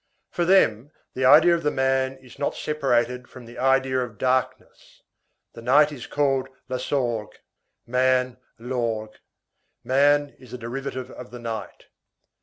For them, the idea of the man is not separated from the idea of darkness. The night is called la sorgue; man, l'orgue. Man is a derivative of the night.